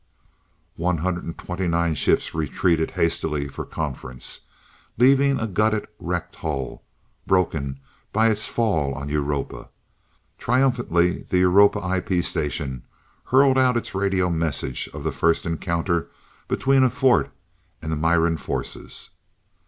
One hundred and twenty nine ships retreated hastily for conference, leaving a gutted, wrecked hull, broken by its fall, on Europa. Triumphantly, the Europa IP station hurled out its radio message of the first encounter between a fort and the Miran forces.